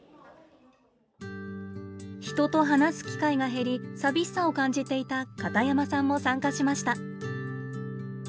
人と話す機会が減り寂しさを感じていた片山さんも参加しました。